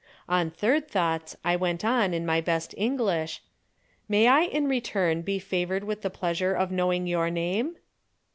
On third thoughts I went on in my best English, "May I in return be favored with the pleasure of knowing your name?"